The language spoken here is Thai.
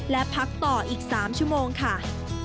และพักต่ออีก๓ชั่วโมงค่ะ